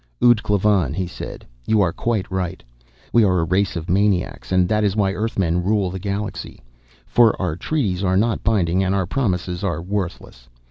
"Ud Klavan," he said, "you are quite right. We are a race of maniacs. And that is why Earthmen rule the galaxy. For our treaties are not binding, and our promises are worthless.